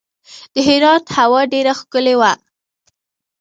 د هرات هوا ډیره ښکلې وه.